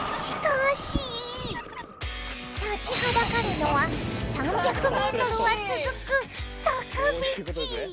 立ちはだかるのは３００ｍは続く坂道。